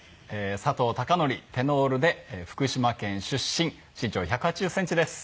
佐藤隆紀テノールで福島県出身身長１８０センチです。